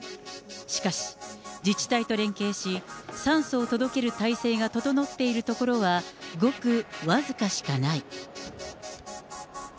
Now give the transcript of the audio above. しかし、自治体と連携し、酸素を届ける体制が整っているところは、ごく僅かしかない。